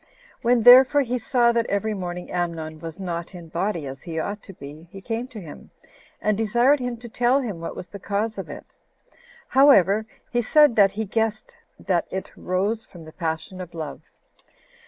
When, therefore, he saw that every morning Amnon was not in body as he ought to be, he came to him, and desired him to tell him what was the cause of it: however, he said that he guessed that it arose from the passion of love.